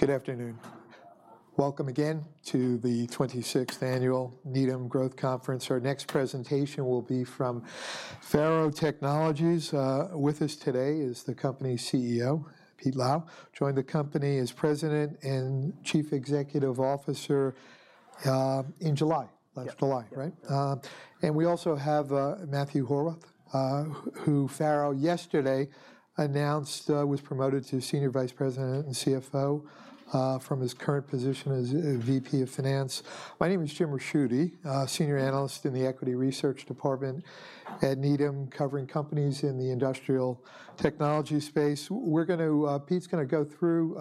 Good afternoon. Welcome again to the 26th Annual Needham Growth Conference. Our next presentation will be from FARO Technologies. With us today is the company's CEO, Pete Lau. Joined the company as President and Chief Executive Officer, in July. Yeah. Last July, right? We also have Matthew Horwath, who FARO yesterday announced was promoted to Senior Vice President and CFO from his current position as VP of Finance. My name is Jim Ricchiuti, Senior Analyst in the Equity Research Department at Needham, covering companies in the industrial technology space. Pete's gonna go through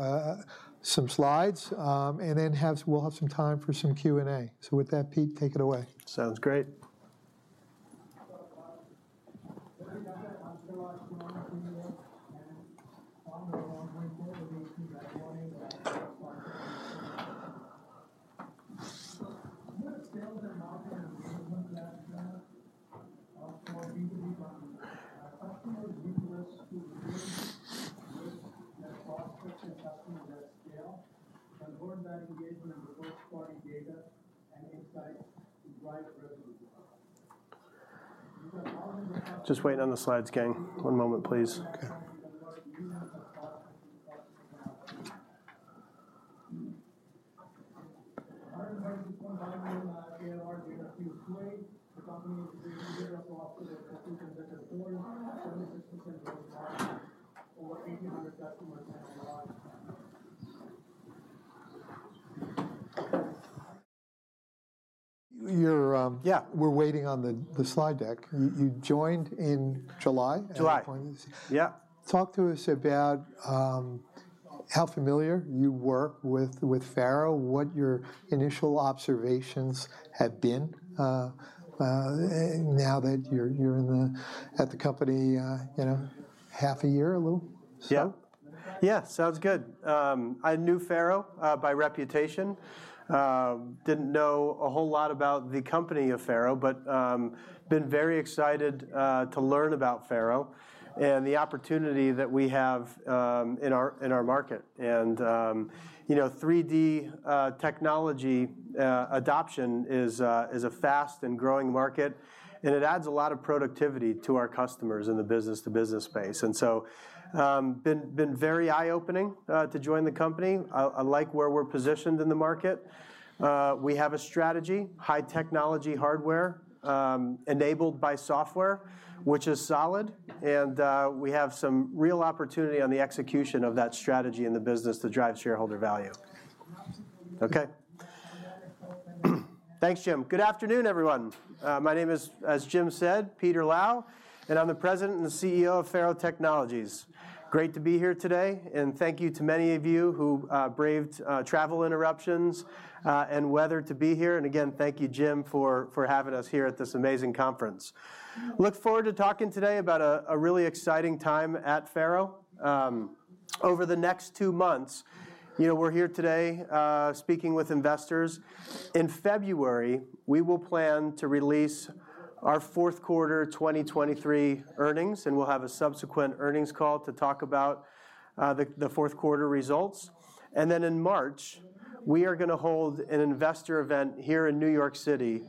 some slides, and then we'll have some time for some Q&A. So with that, Pete, take it away. Sounds great. Just waiting on the slides, gang. One moment, please. Okay. You're, um- Yeah. We're waiting on the slide deck. You joined in July? July. At the point- Yeah. Talk to us about how familiar you were with FARO, what your initial observations have been, now that you're in the at the company, you know, half a year, a little? So- Yeah. Yeah, sounds good. I knew FARO by reputation. Didn't know a whole lot about the company of FARO, but been very excited to learn about FARO and the opportunity that we have in our market. And you know, 3D technology adoption is a fast and growing market, and it adds a lot of productivity to our customers in the business-to-business space. And so been very eye-opening to join the company. I like where we're positioned in the market. We have a strategy, high technology hardware enabled by software, which is solid. And we have some real opportunity on the execution of that strategy in the business to drive shareholder value. Okay. Thanks, Jim. Good afternoon, everyone.My name is, as Jim said, Peter Lau, and I'm the President and CEO of FARO Technologies. Great to be here today, and thank you to many of you who braved travel interruptions and weather to be here. And again, thank you, Jim, for having us here at this amazing conference. Look forward to talking today about a really exciting time at FARO. Over the next two months, you know, we're here today speaking with investors. In February, we will plan to release our fourth quarter 2023 earnings, and we'll have a subsequent earnings call to talk about the fourth quarter results. And then in March, we are gonna hold an investor event here in New York City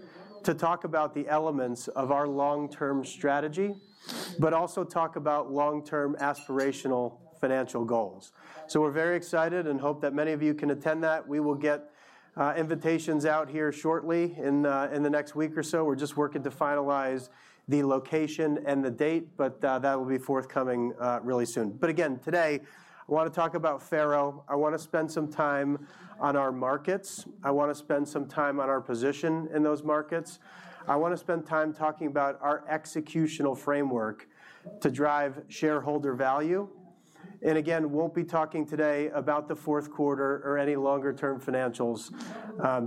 to talk about the elements of our long-term strategy, but also talk about long-term aspirational financial goals. So we're very excited and hope that many of you can attend that. We will get invitations out here shortly in the, in the next week or so. We're just working to finalize the location and the date, but that will be forthcoming really soon. But again, today, I wanna talk about FARO. I wanna spend some time on our markets. I wanna spend some time on our position in those markets. I wanna spend time talking about our executional framework to drive shareholder value. And again, won't be talking today about the fourth quarter or any longer-term financials.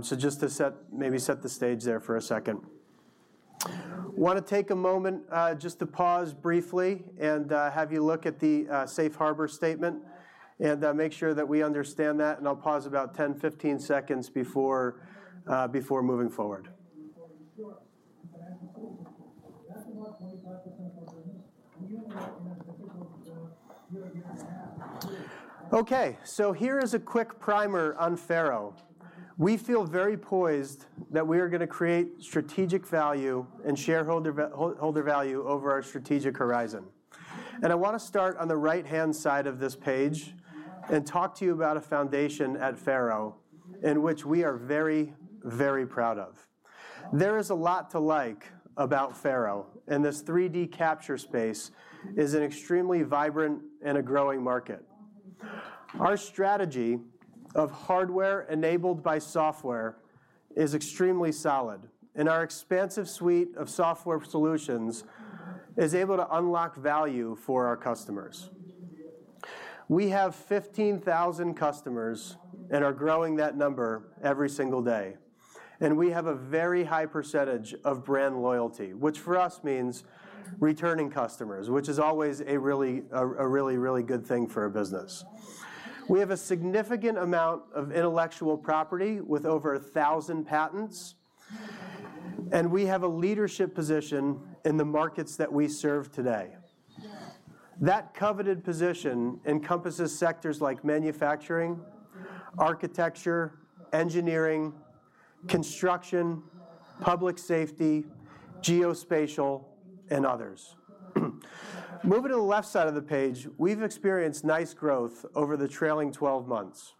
So just to set, maybe set the stage there for a second. Wanna take a moment, just to pause briefly and have you look at the safe harbor statement and make sure that we understand that, and I'll pause about 10, 15 seconds before moving forward. [inaudible] Okay, so here is a quick primer on FARO. We feel very poised that we are gonna create strategic value and shareholder value over our strategic horizon. I wanna start on the right-hand side of this page and talk to you about a foundation at FARO in which we are very, very proud of. There is a lot to like about FARO, and this 3D capture space is an extremely vibrant and a growing market. Our strategy of hardware enabled by software is extremely solid, and our expansive suite of software solutions is able to unlock value for our customers. We have 15,000 customers and are growing that number every single day, and we have a very high percentage of brand loyalty, which for us means returning customers, which is always a really, really good thing for a business. We have a significant amount of intellectual property with over 1,000 patents, and we have a leadership position in the markets that we serve today. That coveted position encompasses sectors like manufacturing, architecture, engineering, construction, public safety, geospatial, and others. Moving to the left side of the page, we've experienced nice growth over the trailing 12 months,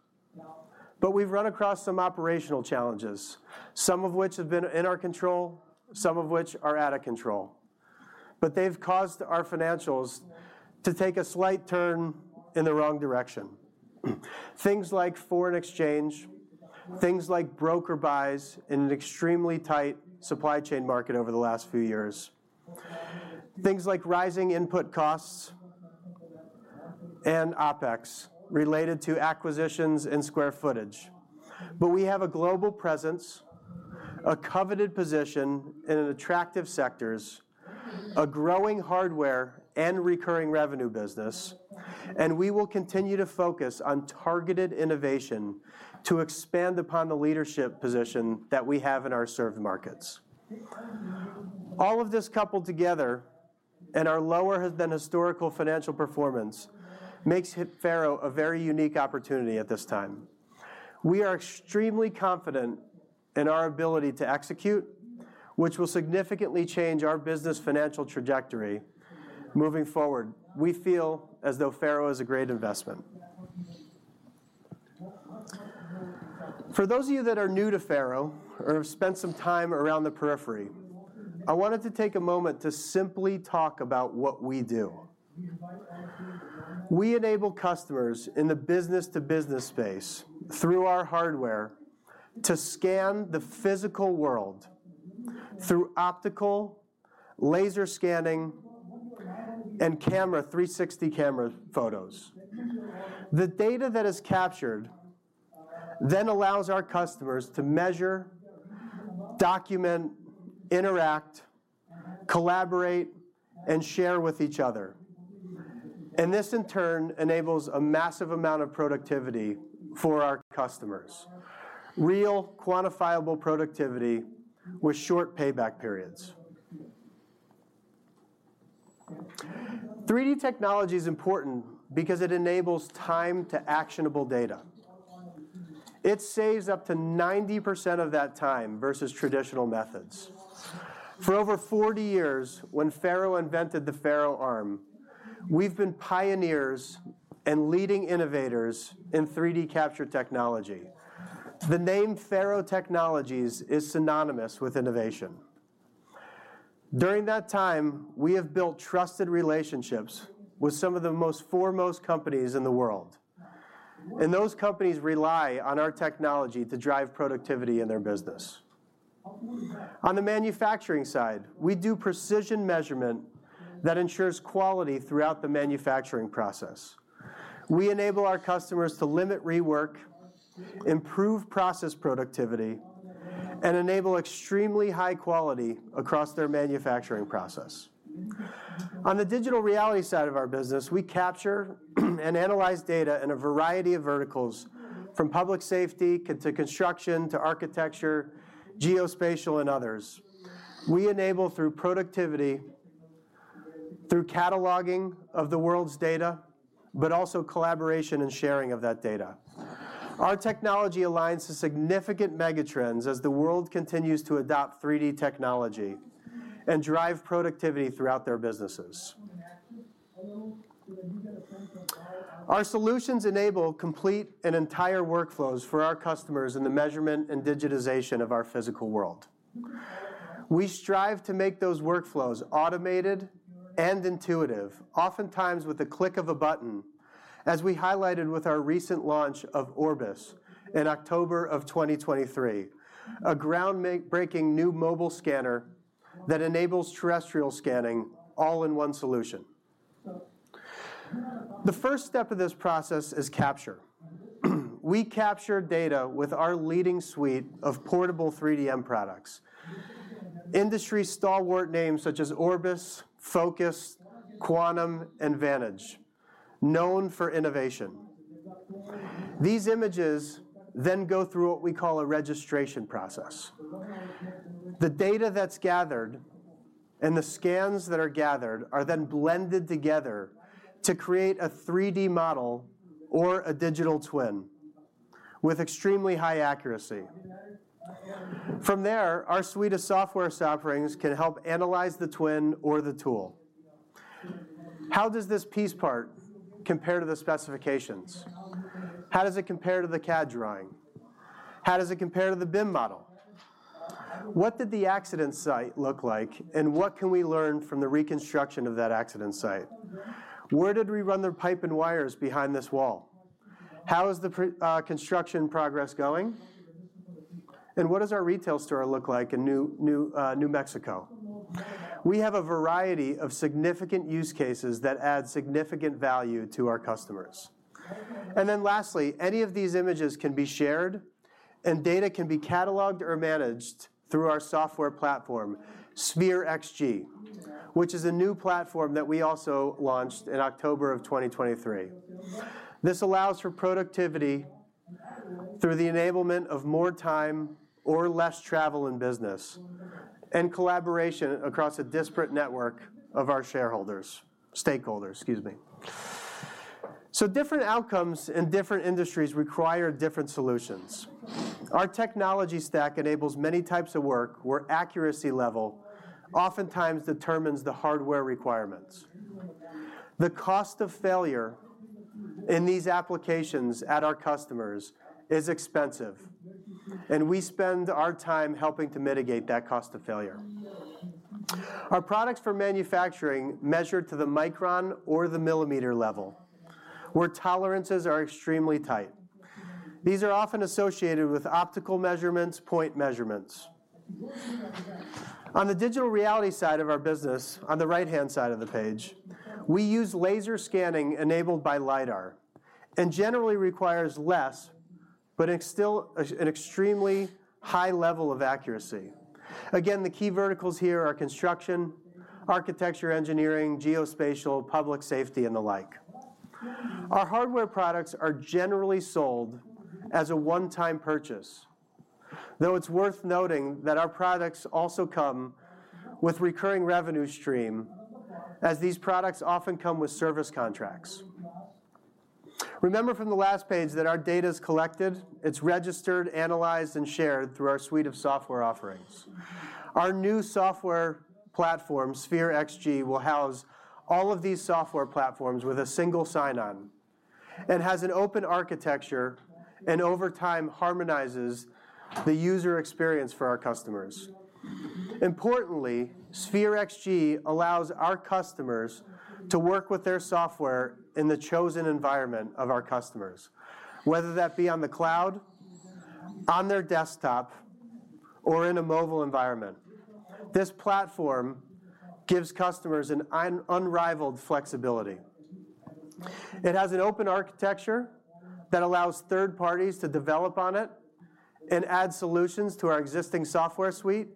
but we've run across some operational challenges, some of which have been in our control, some of which are out of control. But they've caused our financials to take a slight turn in the wrong direction. Things like foreign exchange, things like broker buys in an extremely tight supply chain market over the last few years. Things like rising input costs and OpEx related to acquisitions and square footage. But we have a global presence, a coveted position in attractive sectors, a growing hardware and recurring revenue business, and we will continue to focus on targeted innovation to expand upon the leadership position that we have in our served markets. All of this coupled together, and our lower than historical financial performance, makes FARO a very unique opportunity at this time. We are extremely confident in our ability to execute, which will significantly change our business financial trajectory moving forward. We feel as though FARO is a great investment. For those of you that are new to FARO or have spent some time around the periphery, I wanted to take a moment to simply talk about what we do. We enable customers in the business-to-business space, through our hardware, to scan the physical world through optical, laser scanning, and camera, 360 camera photos. The data that is captured then allows our customers to measure, document, interact, collaborate, and share with each other. This, in turn, enables a massive amount of productivity for our customers. Real, quantifiable productivity with short payback periods. 3D technology is important because it enables time to actionable data. It saves up to 90% of that time versus traditional methods. For over 40 years, when FARO invented the FaroArm, we've been pioneers and leading innovators in 3D capture technology. The name FARO Technologies is synonymous with innovation. During that time, we have built trusted relationships with some of the most foremost companies in the world, and those companies rely on our technology to drive productivity in their business. On the manufacturing side, we do precision measurement that ensures quality throughout the manufacturing process. We enable our customers to limit rework, improve process productivity, and enable extremely high quality across their manufacturing process. On the digital reality side of our business, we capture and analyze data in a variety of verticals, from public safety to construction, to architecture, geospatial, and others. We enable through productivity, through cataloging of the world's data, but also collaboration and sharing of that data. Our technology aligns to significant megatrends as the world continues to adopt 3D technology and drive productivity throughout their businesses. Our solutions enable complete and entire workflows for our customers in the measurement and digitization of our physical world. We strive to make those workflows automated and intuitive, oftentimes with the click of a button, as we highlighted with our recent launch of Orbis in October of 2023, a groundbreaking new mobile scanner that enables terrestrial scanning all in one solution. The first step of this process is capture. We capture data with our leading suite of portable 3D products. Industry stalwart names such as Orbis, Focus, Quantum, and Vantage, known for innovation. These images then go through what we call a registration process. The data that's gathered and the scans that are gathered are then blended together to create a 3D model or a digital twin with extremely high accuracy. From there, our suite of software offerings can help analyze the twin or the tool. How does this piece part compare to the specifications? How does it compare to the CAD drawing? How does it compare to the BIM model? What did the accident site look like, and what can we learn from the reconstruction of that accident site? Where did we run the pipe and wires behind this wall? How is the pre-construction progress going? And what does our retail store look like in New Mexico? We have a variety of significant use cases that add significant value to our customers. And then lastly, any of these images can be shared and data can be cataloged or managed through our software platform, Sphere XG, which is a new platform that we also launched in October of 2023. This allows for productivity through the enablement of more time or less travel in business, and collaboration across a disparate network of our shareholders—stakeholders, excuse me. So different outcomes in different industries require different solutions. Our technology stack enables many types of work, where accuracy level oftentimes determines the hardware requirements. The cost of failure in these applications at our customers is expensive, and we spend our time helping to mitigate that cost of failure. Our products for manufacturing measure to the micron or the millimeter level, where tolerances are extremely tight. These are often associated with optical measurements, point measurements. On the digital reality side of our business, on the right-hand side of the page, we use laser scanning enabled by LiDAR, and generally requires less, but it's still an extremely high level of accuracy. Again, the key verticals here are construction, architecture, engineering, geospatial, public safety, and the like. Our hardware products are generally sold as a one-time purchase, though it's worth noting that our products also come with recurring revenue stream, as these products often come with service contracts. Remember from the last page that our data is collected, it's registered, analyzed, and shared through our suite of software offerings. Our new software platform, Sphere XG, will house all of these software platforms with a single sign-on and has an open architecture, and over time, harmonizes the user experience for our customers. Importantly, Sphere XG allows our customers to work with their software in the chosen environment of our customers, whether that be on the cloud, on their desktop, or in a mobile environment. This platform gives customers an unrivaled flexibility. It has an open architecture that allows third parties to develop on it and add solutions to our existing software suite,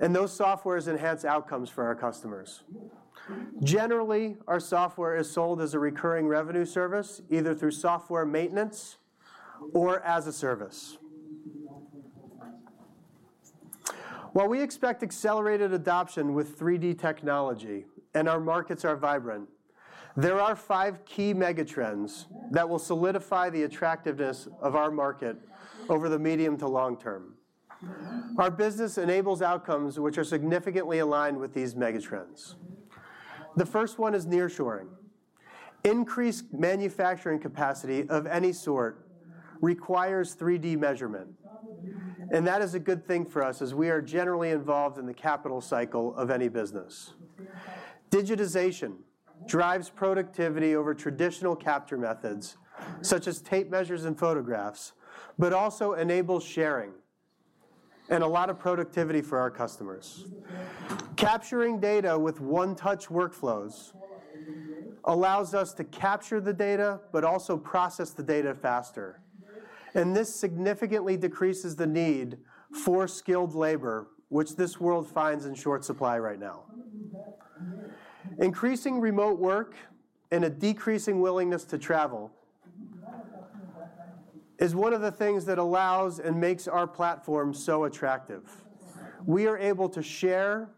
and those softwares enhance outcomes for our customers. Generally, our software is sold as a recurring revenue service, either through software maintenance or as a service. While we expect accelerated adoption with 3D technology and our markets are vibrant, there are five key megatrends that will solidify the attractiveness of our market over the medium to long term. Our business enables outcomes which are significantly aligned with these megatrends. The first one is nearshoring. Increased manufacturing capacity of any sort requires 3D measurement, and that is a good thing for us as we are generally involved in the capital cycle of any business. Digitization drives productivity over traditional capture methods, such as tape measures and photographs, but also enables sharing and a lot of productivity for our customers. Capturing data with one-touch workflows allows us to capture the data, but also process the data faster, and this significantly decreases the need for skilled labor, which this world finds in short supply right now. Increasing remote work and a decreasing willingness to travel is one of the things that allows and makes our platform so attractive. We are able to share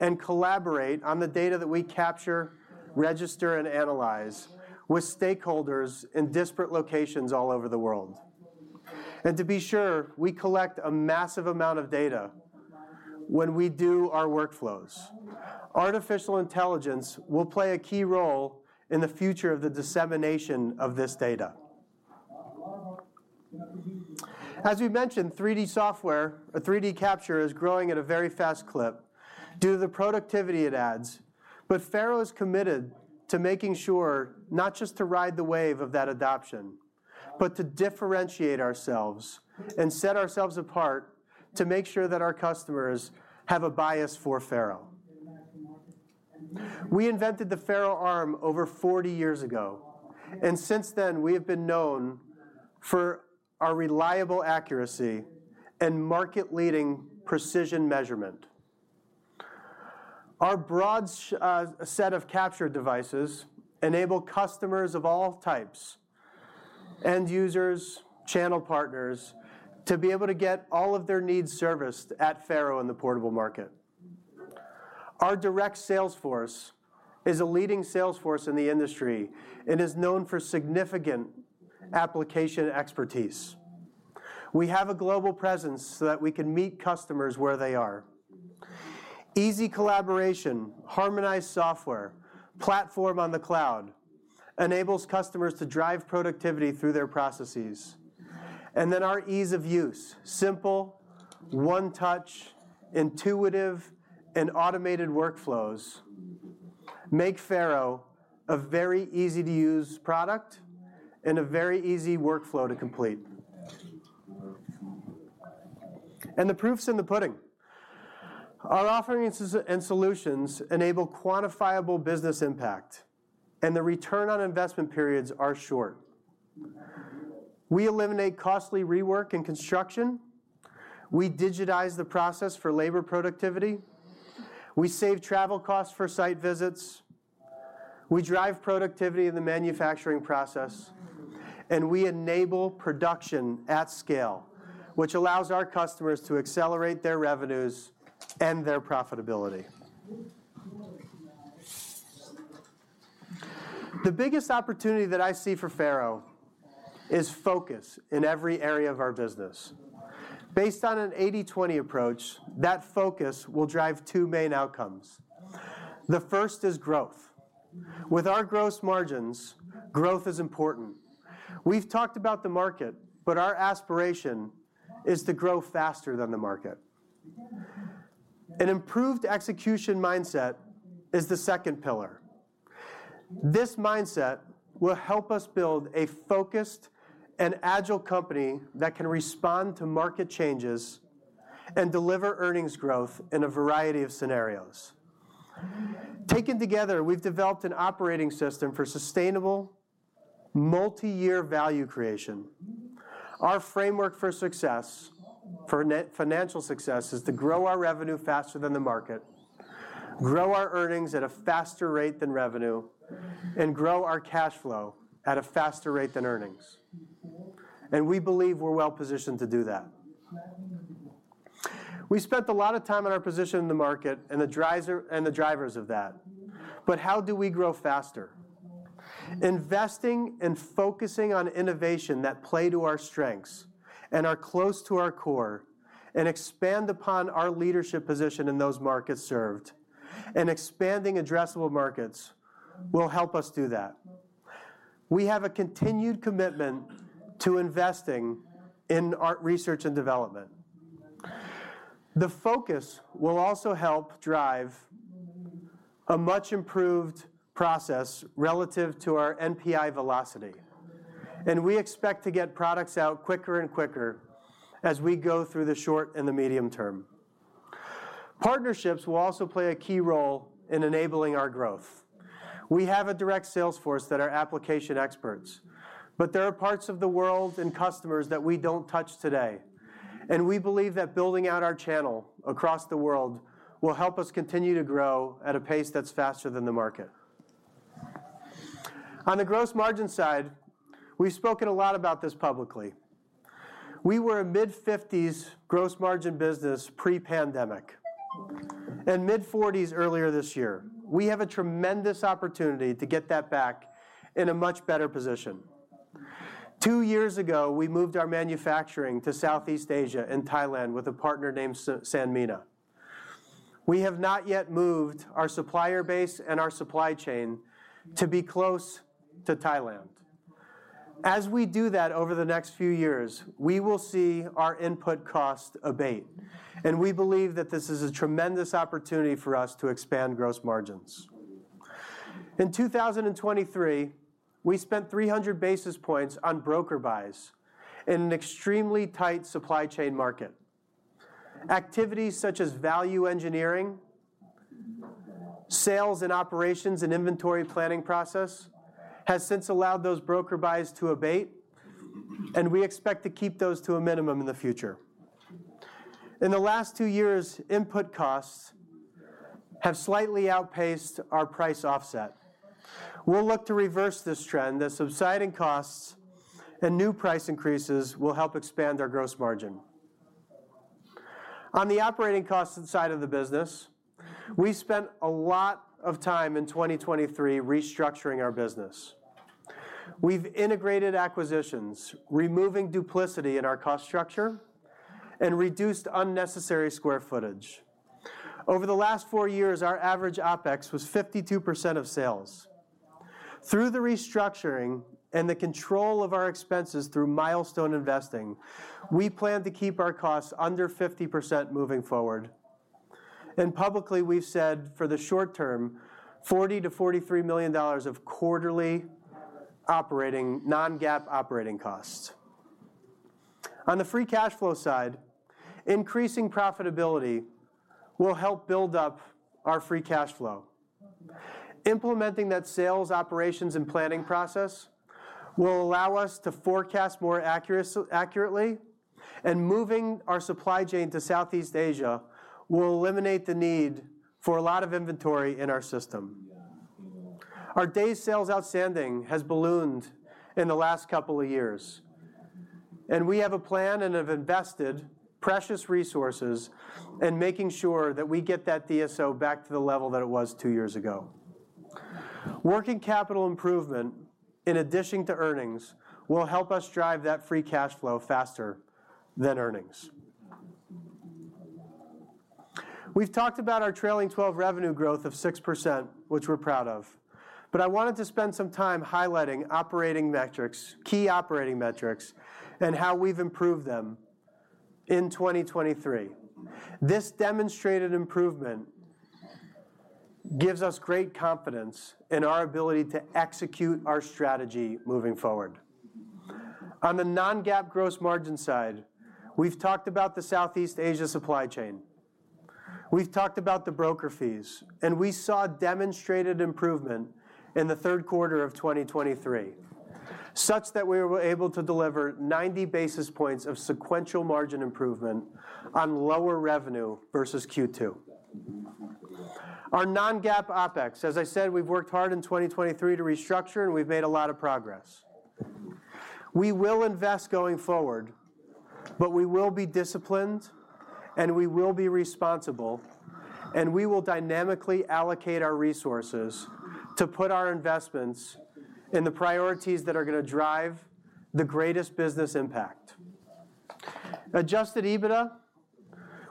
and collaborate on the data that we capture, register, and analyze with stakeholders in disparate locations all over the world. And to be sure, we collect a massive amount of data when we do our workflows. Artificial intelligence will play a key role in the future of the dissemination of this data. As we mentioned, 3D software or 3D capture is growing at a very fast clip due to the productivity it adds. But FARO is committed to making sure not just to ride the wave of that adoption, but to differentiate ourselves and set ourselves apart, to make sure that our customers have a bias for FARO.We invented the FaroArm over 40 years ago, and since then, we have been known for our reliable accuracy and market-leading precision measurement. Our broad set of capture devices enable customers of all types, end users, channel partners, to be able to get all of their needs serviced at FARO in the portable market. Our direct sales force is a leading sales force in the industry and is known for significant application expertise. We have a global presence so that we can meet customers where they are. Easy collaboration, harmonized software, platform on the cloud, enables customers to drive productivity through their processes. And then our ease of use, simple, one touch, intuitive, and automated workflows make FARO a very easy-to-use product and a very easy workflow to complete. And the proof's in the pudding. Our offerings and solutions enable quantifiable business impact, and the return on investment periods are short. We eliminate costly rework and construction. We digitize the process for labor productivity.... We save travel costs for site visits, we drive productivity in the manufacturing process, and we enable production at scale, which allows our customers to accelerate their revenues and their profitability. The biggest opportunity that I see for FARO is focus in every area of our business. Based on an 80/20 approach, that focus will drive two main outcomes. The first is growth. With our gross margins, growth is important. We've talked about the market, but our aspiration is to grow faster than the market. An improved execution mindset is the second pillar. This mindset will help us build a focused and agile company that can respond to market changes and deliver earnings growth in a variety of scenarios. Taken together, we've developed an operating system for sustainable, multi-year value creation. Our framework for success, for net financial success, is to grow our revenue faster than the market, grow our earnings at a faster rate than revenue, and grow our cash flow at a faster rate than earnings. We believe we're well positioned to do that. We spent a lot of time on our position in the market and the drivers of that, but how do we grow faster? Investing and focusing on innovation that play to our strengths and are close to our core, and expand upon our leadership position in those markets served, and expanding addressable markets will help us do that. We have a continued commitment to investing in our research and development. The focus will also help drive a much improved process relative to our NPI velocity, and we expect to get products out quicker and quicker as we go through the short and the medium term. Partnerships will also play a key role in enabling our growth. We have a direct sales force that are application experts, but there are parts of the world and customers that we don't touch today, and we believe that building out our channel across the world will help us continue to grow at a pace that's faster than the market. On the gross margin side, we've spoken a lot about this publicly. We were a mid-fifties gross margin business pre-pandemic, and mid-forties earlier this year. We have a tremendous opportunity to get that back in a much better position. Two years ago, we moved our manufacturing to Southeast Asia and Thailand with a partner named Sanmina. We have not yet moved our supplier base and our supply chain to be close to Thailand. As we do that over the next few years, we will see our input cost abate, and we believe that this is a tremendous opportunity for us to expand gross margins. In 2023, we spent 300 basis points on broker buys in an extremely tight supply chain market. Activities such as value engineering, sales and operations, and inventory planning process, has since allowed those broker buys to abate, and we expect to keep those to a minimum in the future. In the last two years, input costs have slightly outpaced our price offset. We'll look to reverse this trend as subsiding costs and new price increases will help expand our gross margin. On the operating cost side of the business, we spent a lot of time in 2023 restructuring our business. We've integrated acquisitions, removing duplicity in our cost structure, and reduced unnecessary square footage. Over the last four years, our average OpEx was 52% of sales. Through the restructuring and the control of our expenses through milestone investing, we plan to keep our costs under 50% moving forward. And publicly, we've said for the short term, $40 million-$43 million of quarterly operating non-GAAP operating costs. On the free cash flow side, increasing profitability will help build up our free cash flow. Implementing that sales, operations, and planning process will allow us to forecast more accurately, and moving our supply chain to Southeast Asia will eliminate the need for a lot of inventory in our system. Our days sales outstanding has ballooned in the last couple of years, and we have a plan and have invested precious resources in making sure that we get that DSO back to the level that it was two years ago. Working capital improvement, in addition to earnings, will help us drive that free cash flow faster than earnings. We've talked about our trailing twelve revenue growth of 6%, which we're proud of, but I wanted to spend some time highlighting operating metrics, key operating metrics, and how we've improved them in 2023. This demonstrated improvement gives us great confidence in our ability to execute our strategy moving forward. On the non-GAAP gross margin side, we've talked about the Southeast Asia supply chain, we've talked about the broker fees, and we saw demonstrated improvement in the third quarter of 2023... such that we were able to deliver 90 basis points of sequential margin improvement on lower revenue versus Q2. Our non-GAAP OpEx, as I said, we've worked hard in 2023 to restructure, and we've made a lot of progress. We will invest going forward, but we will be disciplined, and we will be responsible, and we will dynamically allocate our resources to put our investments in the priorities that are gonna drive the greatest business impact. Adjusted EBITDA,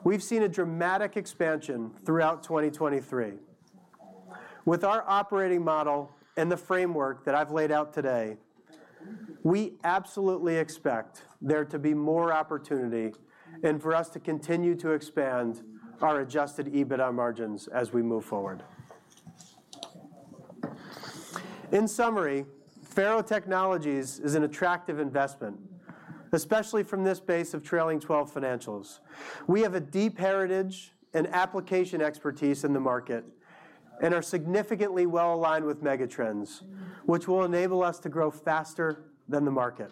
we've seen a dramatic expansion throughout 2023. With our operating model and the framework that I've laid out today, we absolutely expect there to be more opportunity and for us to continue to expand our Adjusted EBITDA margins as we move forward. In summary, FARO Technologies is an attractive investment, especially from this base of trailing twelve financials. We have a deep heritage and application expertise in the market and are significantly well-aligned with megatrends, which will enable us to grow faster than the market.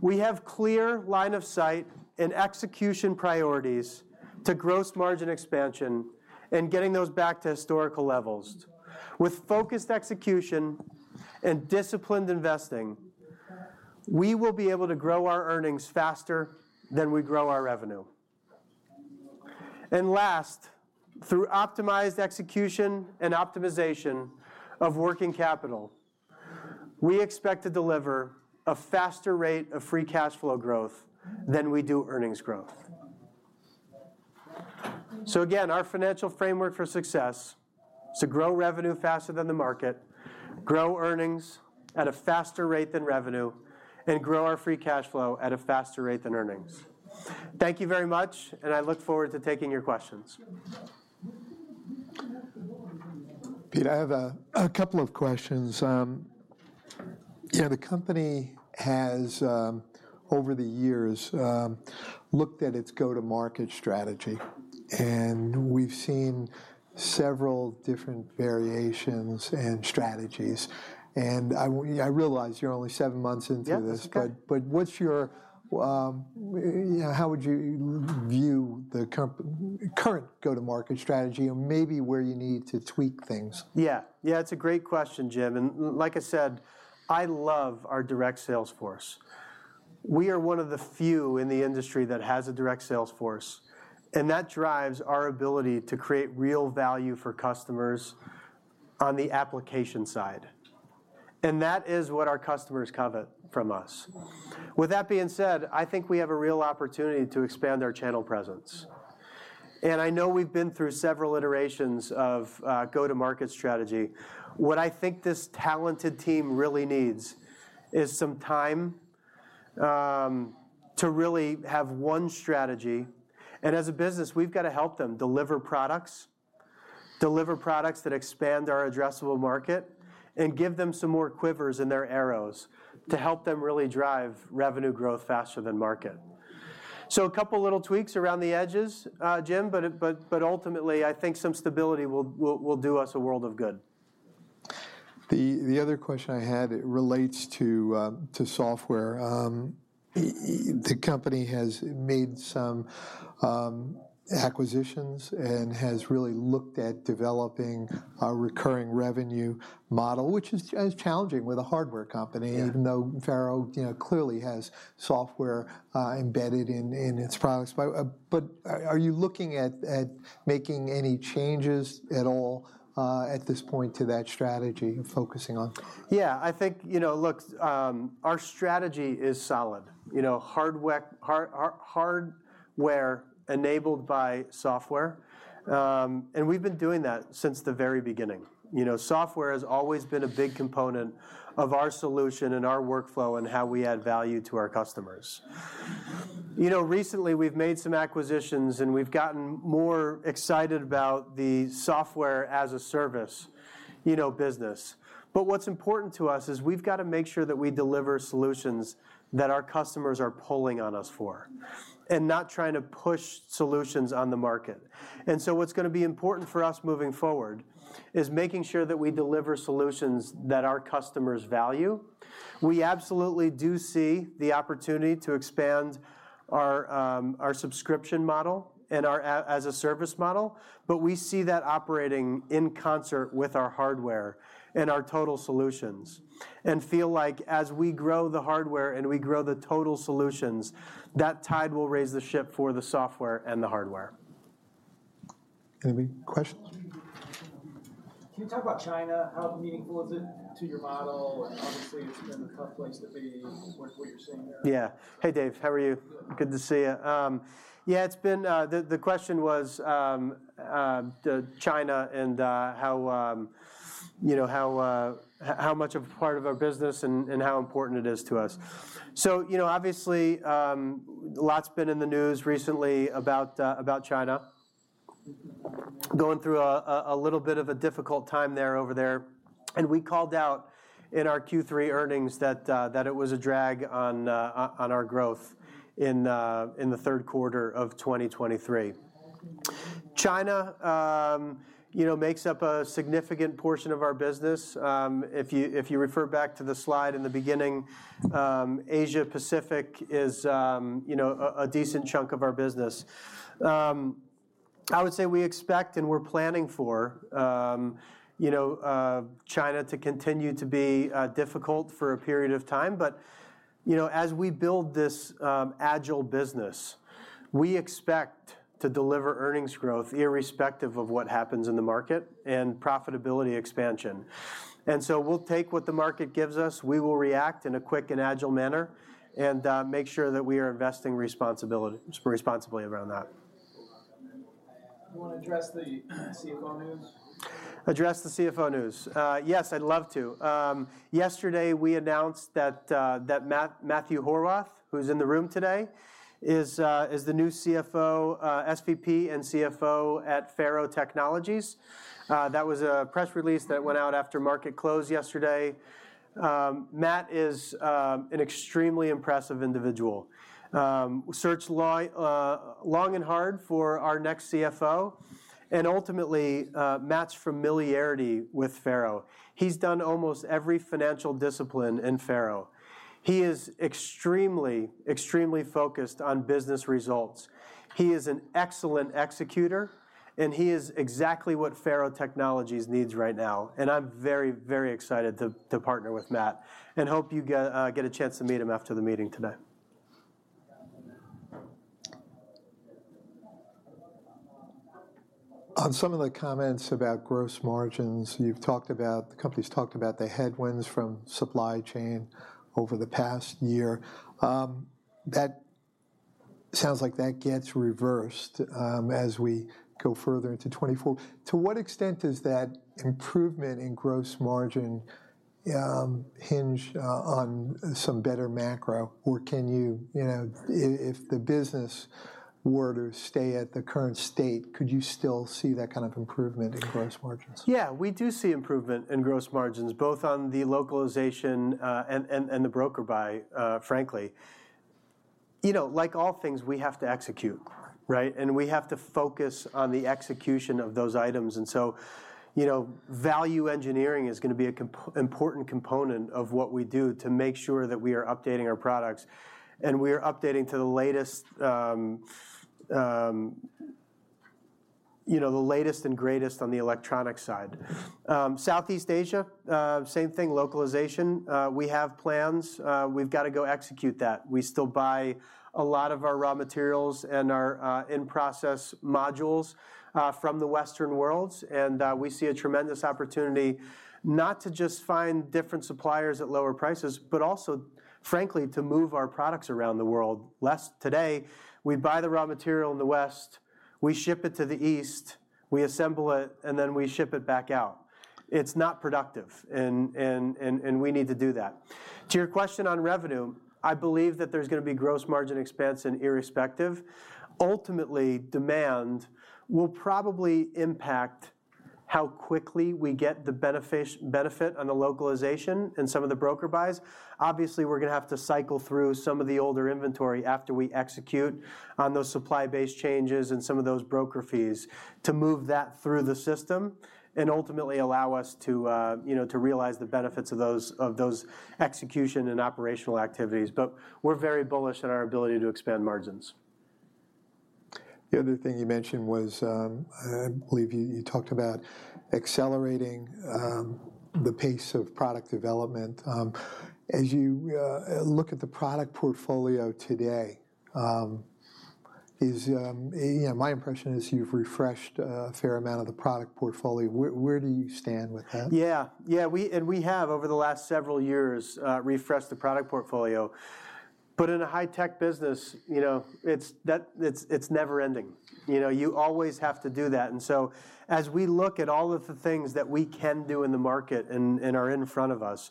We have clear line of sight and execution priorities to gross margin expansion and getting those back to historical levels. With focused execution and disciplined investing, we will be able to grow our earnings faster than we grow our revenue. And last, through optimized execution and optimization of working capital, we expect to deliver a faster rate of free cash flow growth than we do earnings growth. So again, our financial framework for success is to grow revenue faster than the market, grow earnings at a faster rate than revenue, and grow our free cash flow at a faster rate than earnings. Thank you very much, and I look forward to taking your questions. Pete, I have a couple of questions. You know, the company has, over the years, looked at its go-to-market strategy, and we've seen several different variations and strategies. And I realize you're only seven months into this- Yep. But what's your, you know, how would you view the current go-to-market strategy and maybe where you need to tweak things? Yeah. Yeah, it's a great question, Jim, and like I said, I love our direct sales force. We are one of the few in the industry that has a direct sales force, and that drives our ability to create real value for customers on the application side, and that is what our customers covet from us. With that being said, I think we have a real opportunity to expand our channel presence, and I know we've been through several iterations of go-to-market strategy. What I think this talented team really needs is some time to really have one strategy, and as a business, we've got to help them deliver products, deliver products that expand our addressable market and give them some more quivers in their arrows to help them really drive revenue growth faster than market. So a couple little tweaks around the edges, Jim, but ultimately, I think some stability will do us a world of good. The other question I had, it relates to software. The company has made some acquisitions and has really looked at developing a recurring revenue model, which is challenging with a hardware company- Yeah Even though FARO, you know, clearly has software embedded in its products. But but are you looking at making any changes at all at this point to that strategy and focusing on? Yeah, I think, you know, look, our strategy is solid. You know, hardware enabled by software, and we've been doing that since the very beginning. You know, software has always been a big component of our solution and our workflow and how we add value to our customers. You know, recently, we've made some acquisitions, and we've gotten more excited about the software as a service, you know, business. But what's important to us is we've got to make sure that we deliver solutions that our customers are pulling on us for and not trying to push solutions on the market. And so what's gonna be important for us moving forward is making sure that we deliver solutions that our customers value. We absolutely do see the opportunity to expand our our subscription model and our as-a-service model, but we see that operating in concert with our hardware and our total solutions and feel like as we grow the hardware and we grow the total solutions, that tide will raise the ship for the software and the hardware. Any questions? Can you talk about China? How meaningful is it to your model? Obviously, it's been a tough place to be. What you're seeing there? Yeah. Hey, Dave, how are you? Good. Good to see you. Yeah, it's been. The question was, China and, how, you know, how, how much of a part of our business and, and how important it is to us. So, you know, obviously, a lot's been in the news recently about, about China going through a, a little bit of a difficult time there, over there, and we called out in our Q3 earnings that, that it was a drag on, uh, on, on our growth in, uh, in the third quarter of 2023. China, you know, makes up a significant portion of our business. If you refer back to the slide in the beginning, Asia Pacific is, you know, a decent chunk of our business. I would say we expect, and we're planning for, you know, China to continue to be difficult for a period of time. But, you know, as we build this agile business, we expect to deliver earnings growth, irrespective of what happens in the market, and profitability expansion. And so we'll take what the market gives us. We will react in a quick and agile manner, and make sure that we are investing responsibly around that. You wanna address the CFO news? Address the CFO news? Yes, I'd love to. Yesterday, we announced that Matthew Horwath, who's in the room today, is the new CFO, SVP and CFO at FARO Technologies. That was a press release that went out after market close yesterday. Matt is an extremely impressive individual. We searched long and hard for our next CFO, and ultimately, Matt's familiarity with FARO. He's done almost every financial discipline in FARO. He is extremely, extremely focused on business results. He is an excellent executor, and he is exactly what FARO Technologies needs right now, and I'm very, very excited to partner with Matt, and hope you get a chance to meet him after the meeting today. On some of the comments about gross margins, you've talked about the company's talked about the headwinds from supply chain over the past year. That sounds like that gets reversed, as we go further into 2024. To what extent is that improvement in gross margin hinge on some better macro, or can you, you know, if the business were to stay at the current state, could you still see that kind of improvement in gross margins? Yeah, we do see improvement in gross margins, both on the localization, and the broker buy, frankly. You know, like all things, we have to execute, right? And we have to focus on the execution of those items, and so, you know, value engineering is gonna be an important component of what we do to make sure that we are updating our products, and we are updating to the latest, you know, the latest and greatest on the electronic side. Southeast Asia, same thing, localization. We have plans. We've got to go execute that. We still buy a lot of our raw materials and our in-process modules from the Western worlds, and we see a tremendous opportunity not to just find different suppliers at lower prices, but also, frankly, to move our products around the world less. Today, we buy the raw material in the West, we ship it to the East, we assemble it, and then we ship it back out. It's not productive, and we need to do that. To your question on revenue, I believe that there's gonna be gross margin expanse and irrespective. Ultimately, demand will probably impact how quickly we get the benefit on the localization and some of the broker buys. Obviously, we're gonna have to cycle through some of the older inventory after we execute on those supply-based changes and some of those broker fees to move that through the system and ultimately allow us to, you know, to realize the benefits of those, of those execution and operational activities. But we're very bullish on our ability to expand margins. The other thing you mentioned was, I believe you talked about accelerating the pace of product development. As you look at the product portfolio today, is, you know, my impression is you've refreshed a fair amount of the product portfolio. Where do you stand with that? Yeah. Yeah, we and we have, over the last several years, refreshed the product portfolio. But in a high-tech business, you know, it's that... It's, it's never ending. You know, you always have to do that, and so as we look at all of the things that we can do in the market and are in front of us,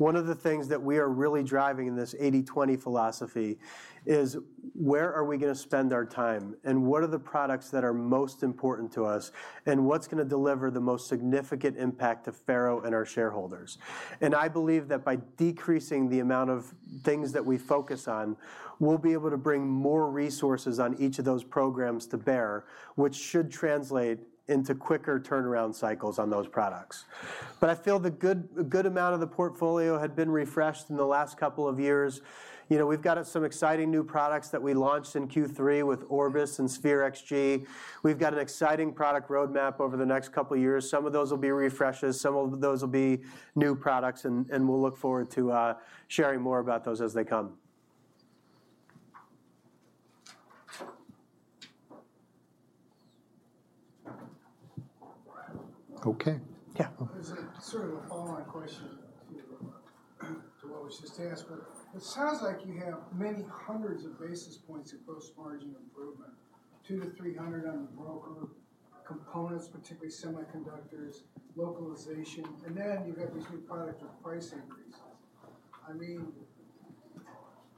one of the things that we are really driving in this 80/20 philosophy is, where are we gonna spend our time? And what are the products that are most important to us, and what's gonna deliver the most significant impact to FARO and our shareholders? And I believe that by decreasing the amount of things that we focus on, we'll be able to bring more resources on each of those programs to bear, which should translate into quicker turnaround cycles on those products. But I feel a good amount of the portfolio had been refreshed in the last couple of years. You know, we've got us some exciting new products that we launched in Q3 with Orbis and Sphere XG. We've got an exciting product roadmap over the next couple of years. Some of those will be refreshes, some of those will be new products, and we'll look forward to sharing more about those as they come. Okay. Yeah. There's a sort of a follow-on question to what was just asked, but it sounds like you have many hundreds of basis points of gross margin improvement, 200-300 on the broker components, particularly semiconductors, localization, and then you've got these new product with price increases. I mean,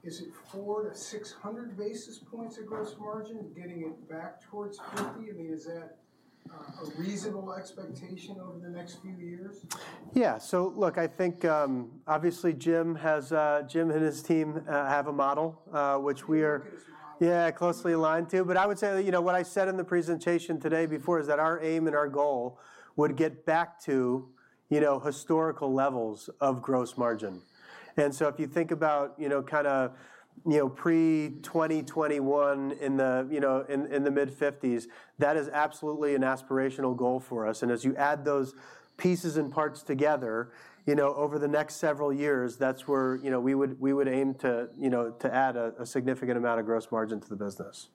is it 400-600 basis points of gross margin, getting it back towards 50%? I mean, is that a reasonable expectation over the next few years? Yeah, so look, I think, obviously Jim and his team have a model, which we are- A good model. Yeah, closely aligned to. But I would say that, you know, what I said in the presentation today before is that our aim and our goal would get back to, you know, historical levels of gross margin. And so if you think about, you know, kinda, you know, pre-2021 in the, you know, in, in the mid-50s, that is absolutely an aspirational goal for us. And as you add those pieces and parts together, you know, over the next several years, that's where, you know, we would, we would aim to, you know, to add a, a significant amount of gross margin to the business.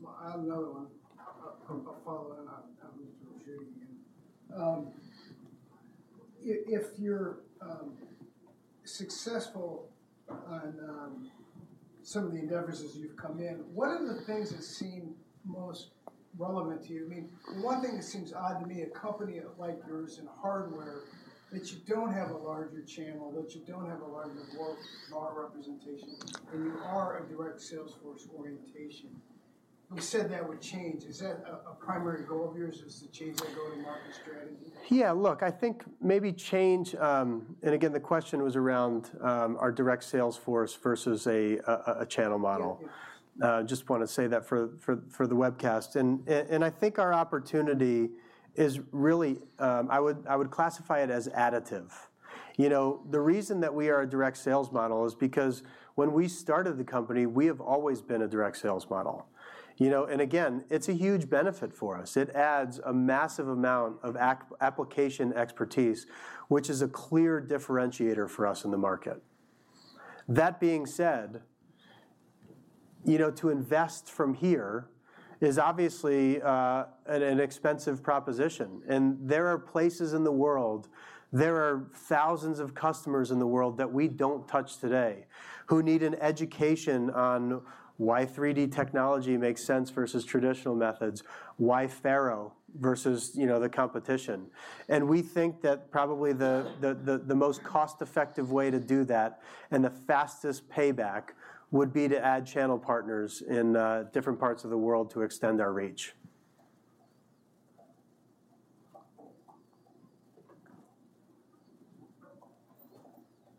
Well, I have another one, following up on Mr. Shea again. If you're successful on some of the endeavors as you've come in, what are the things that seem most relevant to you? I mean, one thing that seems odd to me, a company like yours in hardware, that you don't have a larger channel, that you don't have a larger world VAR representation, and you are a direct sales force orientation. You said that would change. Is that a primary goal of yours, to change that go-to-market strategy? Yeah, look, I think maybe change. And again, the question was around our direct sales force versus a channel model. Yeah. Yeah. Just wanna say that for the webcast. I think our opportunity is really additive. You know, the reason that we are a direct sales model is because when we started the company, we have always been a direct sales model. You know, and again, it's a huge benefit for us. It adds a massive amount of application expertise, which is a clear differentiator for us in the market. That being said, you know, to invest from here is obviously an expensive proposition, and there are places in the world, there are thousands of customers in the world that we don't touch today, who need an education on why 3D technology makes sense versus traditional methods, why FARO versus, you know, the competition. And we think that probably the most cost-effective way to do that, and the fastest payback, would be to add channel partners in different parts of the world to extend our reach.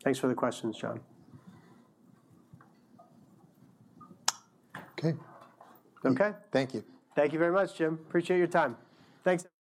Thanks for the questions, John. Okay. Okay? Thank you. Thank you very much, Jim. Appreciate your time. Thanks, team!